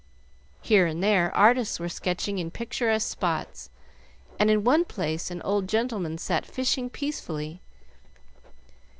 Here and there artists were sketching in picturesque spots, and in one place an old gentleman sat fishing peacefully.